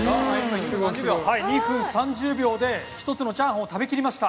２分３０秒で１つのチャーハンを食べきりました。